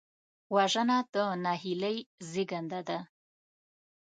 وژنه د نهیلۍ زېږنده ده